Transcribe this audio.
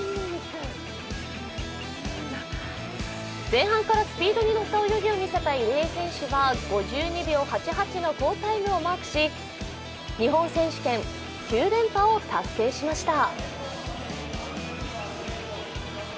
前半からスピードに乗った泳ぎを見せた入江選手は５２秒８８の好タイムをマークし、日本選手権９連覇を達成しました。